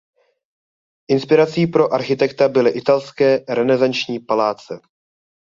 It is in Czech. Inspirací pro architekta byly italské renesanční paláce.